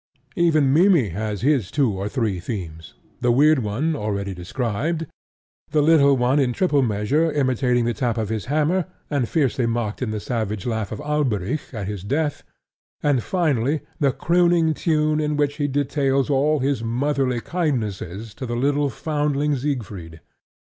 Even Mimmy has his two or three themes: the weird one already described; the little one in triple measure imitating the tap of his hammer, and fiercely mocked in the savage laugh of Alberic at his death; and finally the crooning tune in which he details all his motherly kindnesses to the little foundling Siegfried.